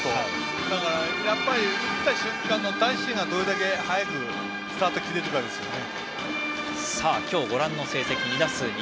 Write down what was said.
打った瞬間のダッシュがどれだけ早くスタート切れるかですね。